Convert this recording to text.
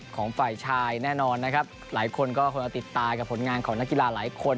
ของฝ่ายชายแน่นอนนะครับหลายคนก็คงจะติดตากับผลงานของนักกีฬาหลายคน